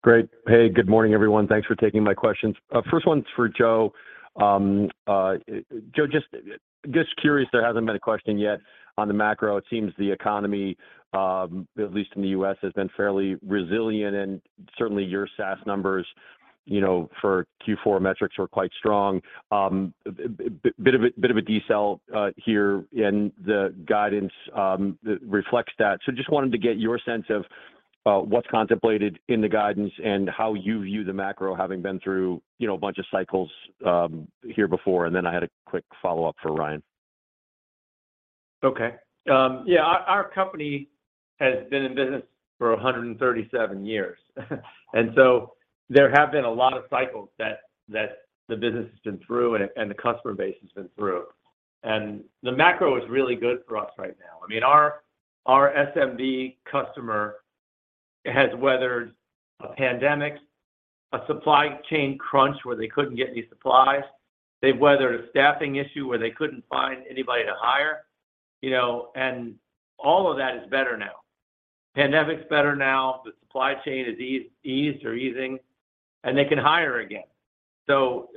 Great. Hey, good morning, everyone. Thanks for taking my questions. First one's for Joe. Joe, just curious, there hasn't been a question yet on the macro. It seems the economy, at least in the U.S., has been fairly resilient, and certainly your SaaS numbers, you know, for Q4 metrics were quite strong. A bit of a decel here in the guidance reflects that. Just wanted to get your sense of what's contemplated in the guidance and how you view the macro having been through, you know, a bunch of cycles here before. Then I had a quick follow-up for Ryan. Okay. Yeah. Our company has been in business for 137 years. So there have been a lot of cycles that the business has been through and the customer base has been through. The macro is really good for us right now. I mean, our SMB customer has weathered a pandemic, a supply chain crunch where they couldn't get any supplies. They've weathered a staffing issue where they couldn't find anybody to hire, you know, and all of that is better now. Pandemic's better now. The supply chain is eased or easing, and they can hire again. So,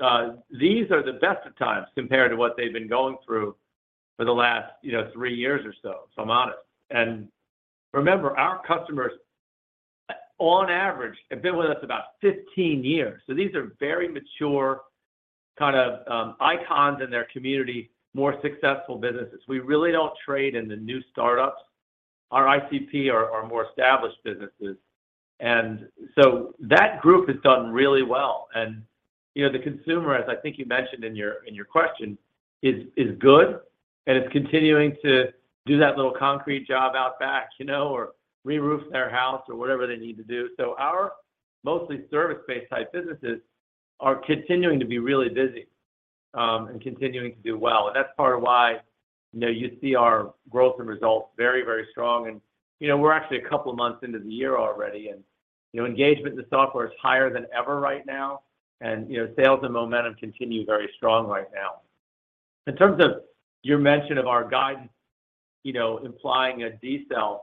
these are the best of times compared to what they've been going through for the last, you know, three years or so, if I'm honest. Remember, our customers on average have been with us about 15 years. These are very mature kind of icons in their community, more successful businesses. We really don't trade in the new startups. Our ICP are more established businesses. That group has done really well. You know, the consumer, as I think you mentioned in your, in your question, is good, and it's continuing to do that little concrete job out back, you know, or re-roof their house or whatever they need to do. Our mostly service-based type businesses are continuing to be really busy, and continuing to do well. That's part of why, you know, you see our growth and results very, very strong. You know, we're actually a couple of months into the year already, and, you know, engagement in the software is higher than ever right now. You know, sales and momentum continue very strong right now. In terms of your mention of our guidance, you know, implying a decel,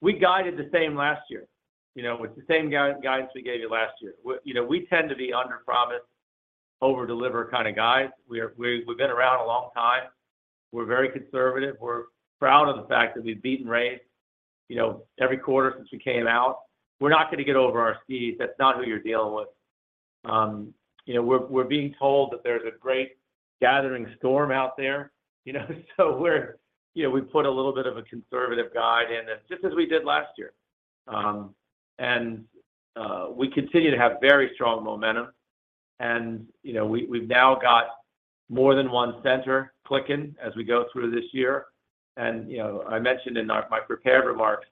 we guided the same last year, you know, with the same guidance we gave you last year. We, you know, we tend to be underpromise, overdeliver kind of guys. We, we've been around a long time. We're very conservative. We're proud of the fact that we've beaten rates, you know, every quarter since we came out. We're not gonna get over our skis. That's not who you're dealing with. You know, we're being told that there's a great gathering storm out there, you know, so we're... You know, we put a little bit of a conservative guide in it, just as we did last year. And we continue to have very strong momentum. You know, we've now got more than one center clicking as we go through this year. you know, I mentioned in my prepared remarks,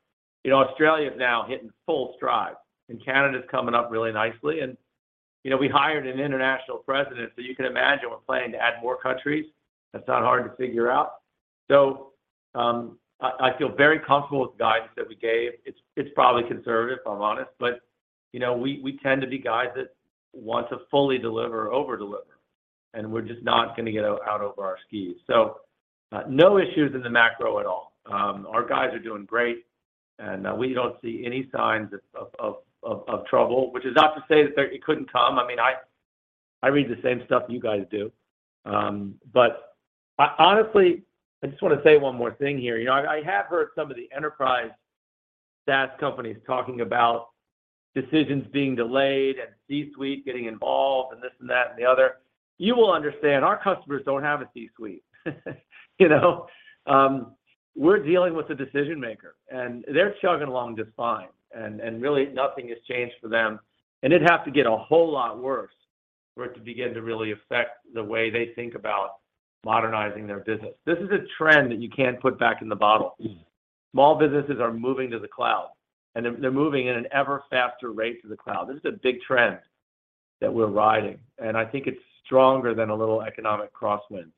you know, Australia is now hitting full stride, and Canada's coming up really nicely. you know, we hired an international president, so you can imagine we're planning to add more countries. That's not hard to figure out. I feel very comfortable with the guidance that we gave. It's probably conservative, if I'm honest. you know, we tend to be guys that want to fully deliver, overdeliver, and we're just not gonna get out over our skis. No issues in the macro at all. our guys are doing great, and we don't see any signs of trouble. Which is not to say that it couldn't come. I mean, I read the same stuff you guys do. honestly, I just want to say one more thing here. You know, I have heard some of the enterprise SaaS companies talking about decisions being delayed and C-suite getting involved and this and that and the other. You will understand our customers don't have a C-suite. You know, we're dealing with the decision-maker, and they're chugging along just fine. Really nothing has changed for them. It'd have to get a whole lot worse for it to begin to really affect the way they think about modernizing their business. This is a trend that you can't put back in the bottle. Small businesses are moving to the cloud, and they're moving at an ever faster rate to the cloud. This is a big trend that we're riding, and I think it's stronger than a little economic crosswind.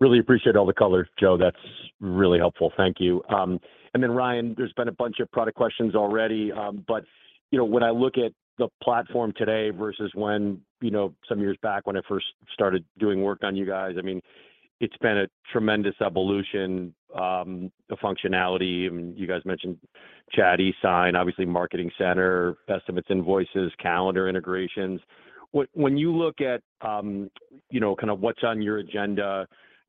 Really appreciate all the color, Joe. That's really helpful. Thank you. Ryan, there's been a bunch of product questions already. You know, when I look at the platform today versus when, you know, some years back when I first started doing work on you guys, I mean, it's been a tremendous evolution. The functionality, you guys mentioned chat, eSign, obviously Marketing Center, estimates, invoices, calendar integrations. When you look at, you know, kind of what's on your agenda,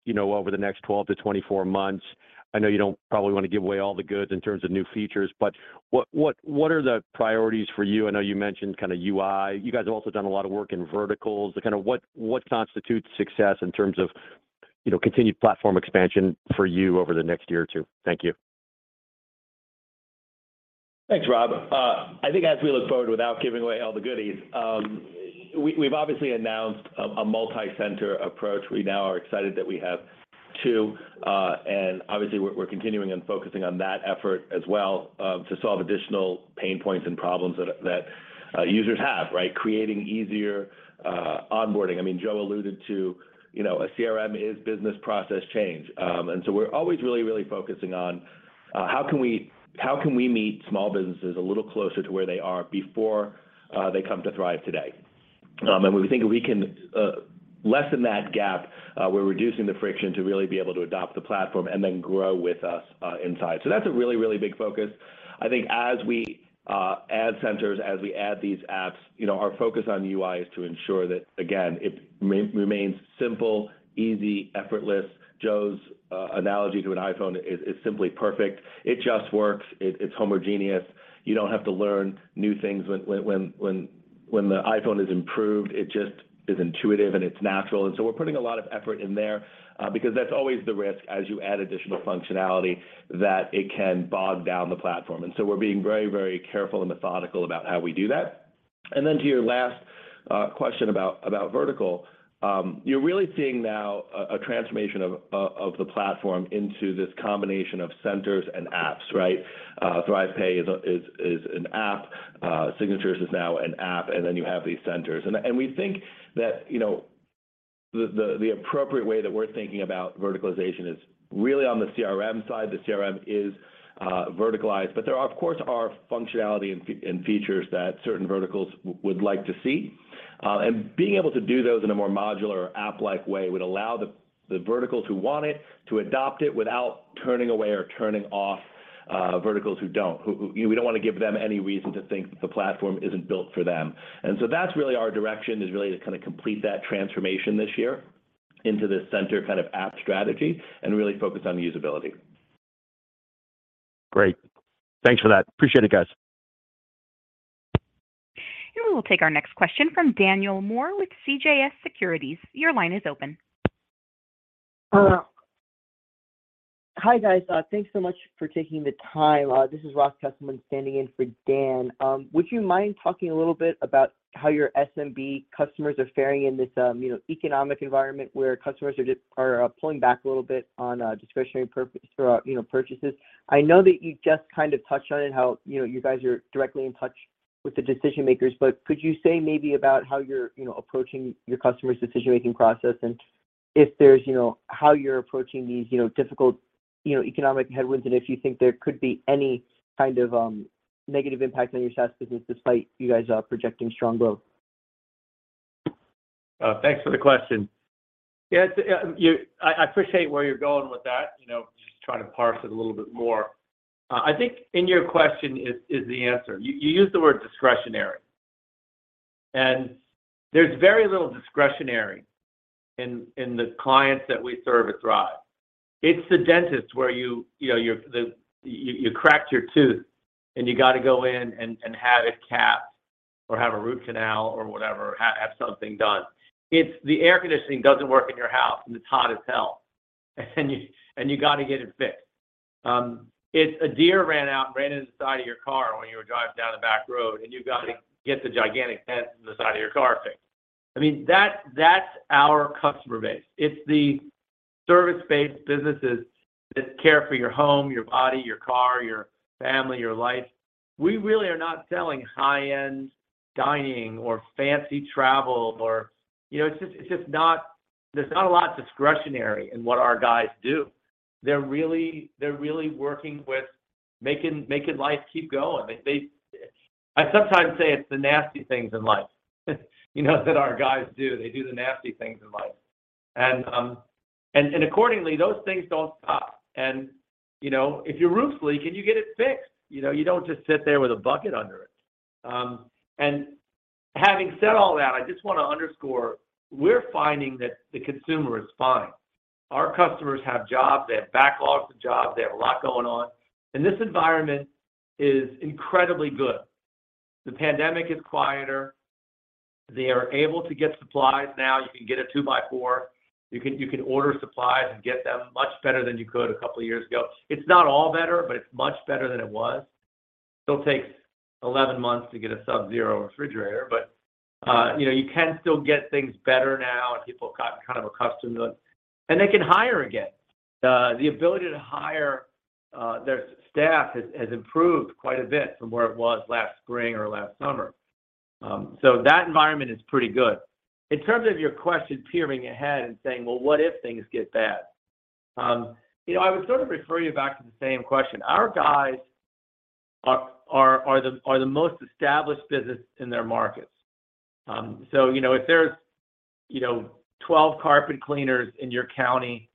you know, over the next 12 months-24 months, I know you don't probably want to give away all the goods in terms of new features, what are the priorities for you? I know you mentioned kind of UI. You guys have also done a lot of work in verticals. Kind of what constitutes success in terms of, you know, continued platform expansion for you over the next year or two years? Thank you. Thanks, Rob. I think as we look forward, without giving away all the goodies, we've obviously announced a multicenter approach. We now are excited that we have two, obviously we're continuing and focusing on that effort as well, to solve additional pain points and problems that users have, right? Creating easier onboarding. I mean, Joe alluded to, you know, a CRM is business process change. We're always really focusing on how can we meet small businesses a little closer to where they are before they come to Thryv today. When we think we can lessen that gap, we're reducing the friction to really be able to adopt the platform and then grow with us inside. That's a really big focus. I think as we add centers, as we add these apps, you know, our focus on UI is to ensure that, again, it remains simple, easy, effortless. Joe's analogy to an iPhone is simply perfect. It just works. It's homogeneous. You don't have to learn new things when the iPhone is improved. It just is intuitive, and it's natural. We're putting a lot of effort in there because that's always the risk as you add additional functionality, that it can bog down the platform. We're being very, very careful and methodical about how we do that. To your last question about vertical, you're really seeing now a transformation of the platform into this combination of centers and apps, right? ThryvPay is an app. Signatures is now an app. Then you have these centers. We think that, you know, the appropriate way that we're thinking about verticalization is really on the CRM side. The CRM is verticalized, but there are, of course, functionality and features that certain verticals would like to see. Being able to do those in a more modular app-like way would allow the verticals who want it to adopt it without turning away or turning off verticals who don't. We don't want to give them any reason to think that the platform isn't built for them. So that's really our direction, is really to kind of complete that transformation this year into this center kind of app strategy and really focus on usability. Great. Thanks for that. Appreciate it, guys. We will take our next question from Daniel Moore with CJS Securities. Your line is open. Hi, guys. Thanks so much for taking the time. This is Ross Kesselman standing in for Dan. Would you mind talking a little bit about how your SMB customers are faring in this, you know, economic environment where customers are pulling back a little bit on discretionary, you know, purchases? I know that you just kind of touched on it, how, you know, you guys are directly in touch with the decision-makers, but could you say maybe about how you're, you know, approaching your customers' decision-making process and if there's, you know, how you're approaching these, you know, difficult, you know, economic headwinds, and if you think there could be any kind of negative impact on your SaaS business despite you guys projecting strong growth? Thanks for the question. Yeah, I appreciate where you're going with that, you know, just trying to parse it a little bit more. I think in your question is the answer. You used the word discretionary, and there's very little discretionary in the clients that we serve at Thryv. It's the dentist where you know, you cracked your tooth, and you got to go in and have it capped or have a root canal or whatever, have something done. It's the air conditioning doesn't work in your house, and it's hot as hell, and you got to get it fixed. It's a deer ran out and ran into the side of your car when you were driving down the back road, and you got to get the gigantic dent in the side of your car fixed. I mean, that's our customer base. It's the service-based businesses that care for your home, your body, your car, your family, your life. We really are not selling high-end dining or fancy travel. You know, it's just not there's not a lot discretionary in what our guys do. They're really working with making life keep going. I sometimes say it's the nasty things in life, you know, that our guys do. They do the nasty things in life. Accordingly, those things don't stop. You know, if your roof's leaking, you get it fixed. You know, you don't just sit there with a bucket under it. Having said all that, I just wanna underscore, we're finding that the consumer is fine. Our customers have jobs, they have backlogs of jobs, they have a lot going on. This environment is incredibly good. The pandemic is quieter. They are able to get supplies now. You can get a two-by-four. You can order supplies and get them much better than you could a couple of years ago. It's not all better, but it's much better than it was. Still takes 11 months to get a Sub-Zero refrigerator, but, you know, you can still get things better now, and people have got kind of accustomed to it. They can hire again. The ability to hire, their staff has improved quite a bit from where it was last spring or last summer. That environment is pretty good. In terms of your question, peering ahead and saying, "Well, what if things get bad?" you know, I would sort of refer you back to the same question. Our guys are the most established business in their markets. You know, if there's, you know, 12 carpet cleaners in your county,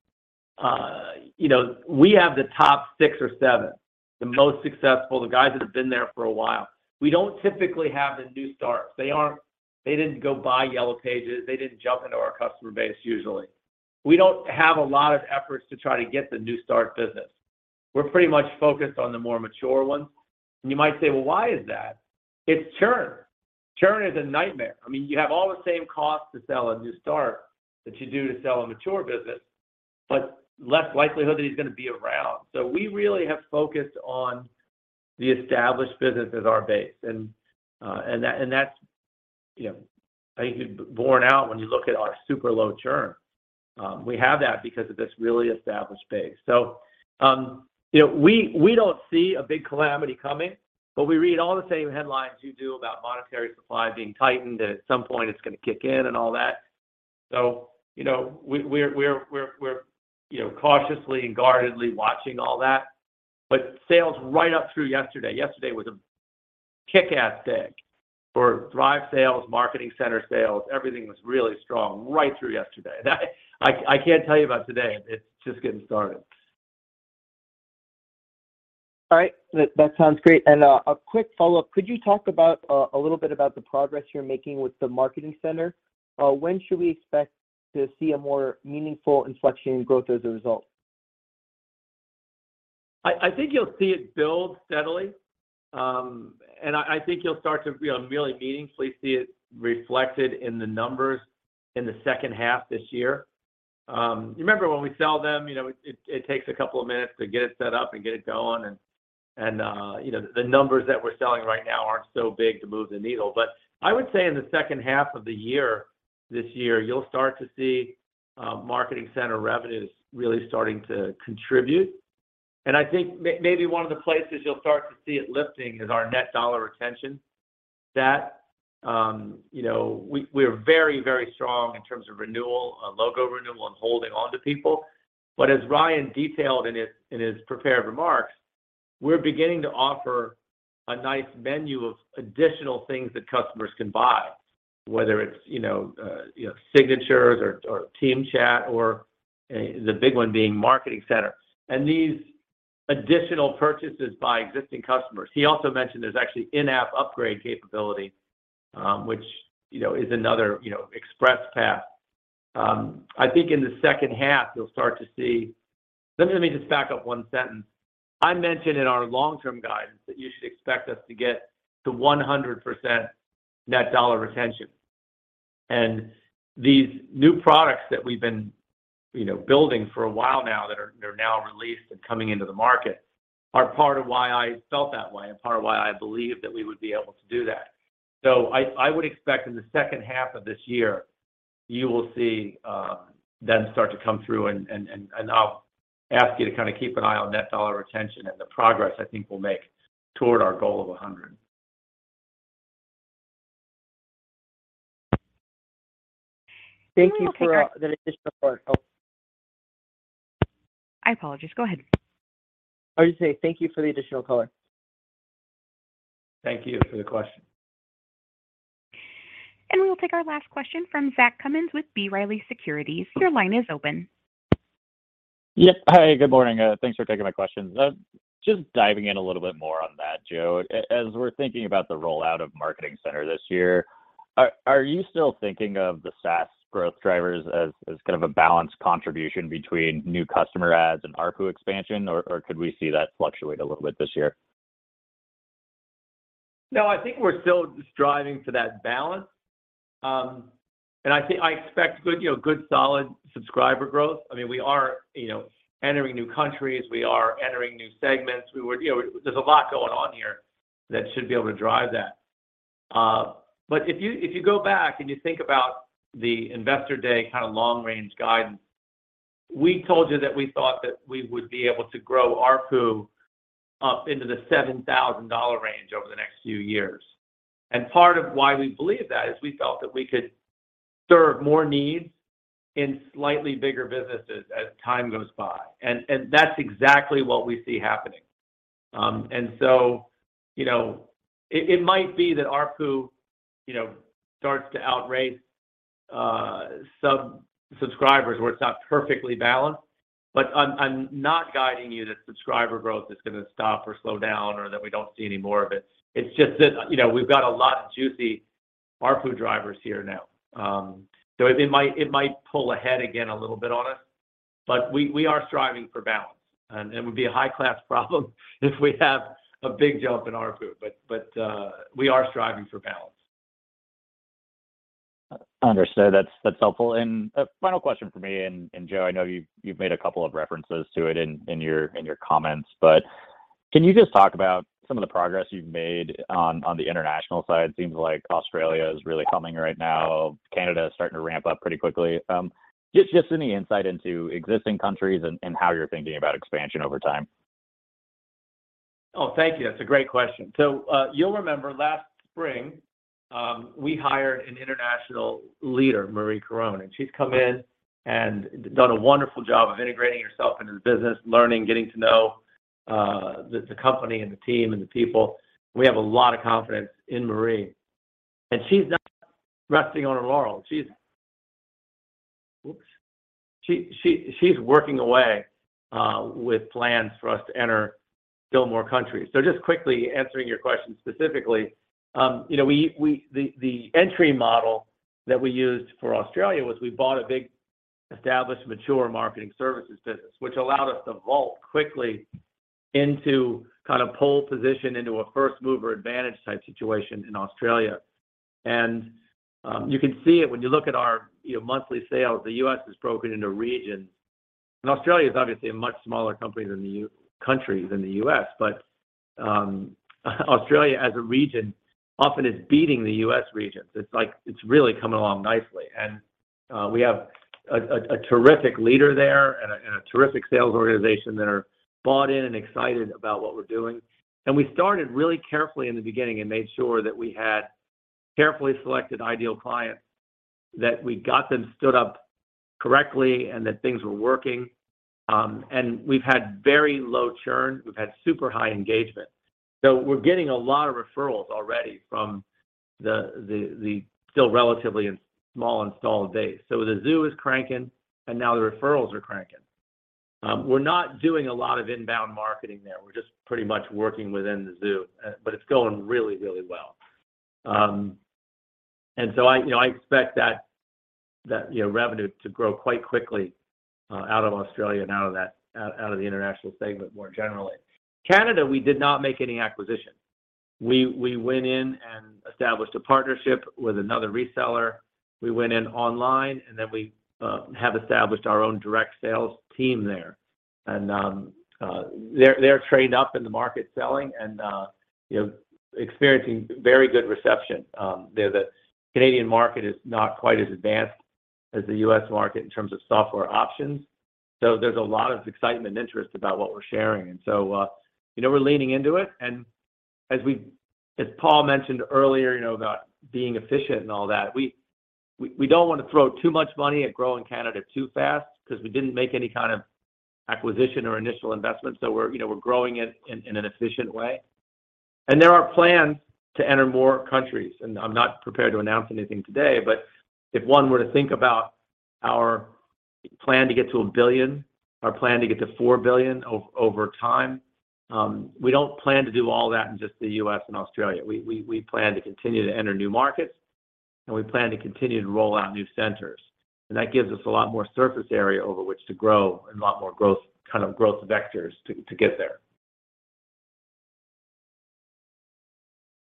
you know, we have the top six or seven, the most successful, the guys that have been there for a while. We don't typically have the new starts. They didn't go buy Yellow Pages. They didn't jump into our customer base usually. We don't have a lot of efforts to try to get the new start business. We're pretty much focused on the more mature ones. You might say, "Well, why is that?" It's churn. Churn is a nightmare. I mean, you have all the same costs to sell a new start that you do to sell a mature business, but less likelihood that he's gonna be around. We really have focused on the established business as our base. That, and that's, you know, I think borne out when you look at our super low churn. We have that because of this really established base. You know, we don't see a big calamity coming, but we read all the same headlines you do about monetary supply being tightened, and at some point it's gonna kick in and all that. You know, we're, you know, cautiously and guardedly watching all that. Sales right up through yesterday. Yesterday was a kick-ass day for Thryv sales, Marketing Center sales. Everything was really strong right through yesterday. I can't tell you about today. It's just getting started. All right. That sounds great. A quick follow-up. Could you talk about, a little bit about the progress you're making with the Marketing Center? When should we expect to see a more meaningful inflection in growth as a result? I think you'll see it build steadily, and I think you'll start to, you know, really meaningfully see it reflected in the numbers in the H2 this year. Remember when we sell them, you know, it takes a couple of minutes to get it set up and get it going, and, you know, the numbers that we're selling right now aren't so big to move the needle. I would say in the H2 of the year, this year, you'll start to see Marketing Center revenues really starting to contribute. I think maybe one of the places you'll start to see it lifting is our net dollar retention. That, you know, we're very strong in terms of renewal, logo renewal, and holding onto people. As Ryan detailed in his, in his prepared remarks, we're beginning to offer a nice menu of additional things that customers can buy, whether it's, you know, you know, Signatures or TeamChat or, the big one being Marketing Center. These additional purchases by existing customers. He also mentioned there's actually in-app upgrade capability, which, you know, is another, you know, express path. I think in the H2 you'll start to see... Let me just back up one sentence. I mentioned in our long-term guidance that you should expect us to get to 100% net dollar retention. These new products that we've been, you know, building for a while now that they're now released and coming into the market are part of why I felt that way and part of why I believed that we would be able to do that. I would expect in the H2 of this year, you will see them start to come through and I'll ask you to kinda keep an eye on net dollar retention and the progress I think we'll make toward our goal of 100. Thank you for the additional color. I apologize. Go ahead. I was gonna say thank you for the additional color. Thank you for the question. We will take our last question from Zach Cummins with B. Riley Securities. Your line is open. Yep. Hi, good morning. Thanks for taking my questions. Just diving in a little bit more on that, Joe. As we're thinking about the rollout of Marketing Center this year, are you still thinking of the SaaS growth drivers as kind of a balanced contribution between new customer adds and ARPU expansion, or could we see that fluctuate a little bit this year? No, I think we're still striving for that balance. I expect good, you know, good solid subscriber growth. I mean, we are, you know, entering new countries. We are entering new segments. You know, there's a lot going on here that should be able to drive that. But if you, if you go back and you think about the Investor Day kind of long-range guidance, we told you that we thought that we would be able to grow ARPU up into the $7,000 range over the next few years. Part of why we believe that is we felt that we could serve more needs in slightly bigger businesses as time goes by. That's exactly what we see happening. You know, it might be that ARPU, you know, starts to outrace subscribers where it's not perfectly balanced, but I'm not guiding you that subscriber growth is gonna stop or slow down or that we don't see any more of it. It's just that, you know, we've got a lot of juicy ARPU drivers here now. It might, it might pull ahead again a little bit on us, but we are striving for balance, and it would be a high-class problem if we have a big jump in ARPU. We are striving for balance. Understood. That's helpful. A final question from me, and Joe, I know you've made a couple of references to it in your comments, but can you just talk about some of the progress you've made on the international side? Seems like Australia is really humming right now. Canada is starting to ramp up pretty quickly. Just any insight into existing countries and how you're thinking about expansion over time. Thank you. That's a great question. You'll remember last spring, we hired an international leader, Marie Caron, and she's come in and done a wonderful job of integrating herself into the business, learning, getting to know the company and the team and the people. We have a lot of confidence in Marie, and she's not resting on her laurels. She's working away with plans for us to enter still more countries. Just quickly answering your question specifically, you know, the entry model that we used for Australia was we bought a big, established, mature marketing services business, which allowed us to vault quickly into kind of pole position into a first-mover advantage type situation in Australia. You can see it when you look at our, you know, monthly sales. The U.S. is broken into regions. Australia is obviously a much smaller company than the country than the U.S., Australia as a region often is beating the U.S. regions. It's like it's really coming along nicely. We have a terrific leader there and a terrific sales organization that are bought in and excited about what we're doing. We started really carefully in the beginning and made sure that we had carefully selected ideal clients, that we got them stood up correctly and that things were working. We've had very low churn. We've had super high engagement. We're getting a lot of referrals already from the still relatively small installed base. The zoo is cranking, and now the referrals are cranking. We're not doing a lot of inbound marketing there. We're just pretty much working within the zoo, but it's going really, really well. I, you know, I expect that, you know, revenue to grow quite quickly, out of Australia and out of the international segment more generally. Canada, we did not make any acquisitions. We went in and established a partnership with another reseller. We went in online, we have established our own direct sales team there. They're trained up in the market selling and, you know, experiencing very good reception. The Canadian market is not quite as advanced as the U.S. market in terms of software options, so there's a lot of excitement and interest about what we're sharing. You know, we're leaning into it. As Paul mentioned earlier, you know, about being efficient and all that, we don't wanna throw too much money at growing Canada too fast because we didn't make any kind of acquisition or initial investment. We're, you know, we're growing it in an efficient way. There are plans to enter more countries, and I'm not prepared to announce anything today. If one were to think about our plan to get to $1 billion, our plan to get to $4 billion over time, we don't plan to do all that in just the U.S. and Australia. We plan to continue to enter new markets, we plan to continue to roll out new centers. That gives us a lot more surface area over which to grow and a lot more growth, kind of growth vectors to get there.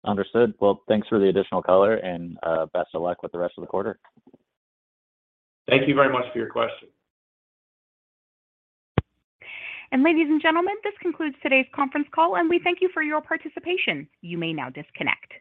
Understood. Well, thanks for the additional color and best of luck with the rest of the quarter. Thank you very much for your question. Ladies and gentlemen, this concludes today's conference call, and we thank you for your participation. You may now disconnect.